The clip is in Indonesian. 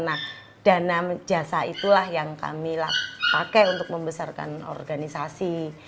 nah dana jasa itulah yang kami pakai untuk membesarkan organisasi